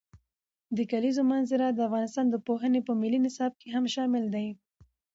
د کلیزو منظره د افغانستان د پوهنې په ملي نصاب کې هم شامل دي.